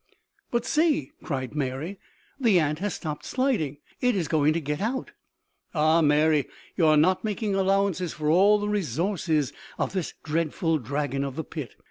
"But see," cried Mary, "the ant has stopped sliding. It is going to get out!" Ah, Mary, you are not making allowance for all the resources of this dreadful dragon of the pit.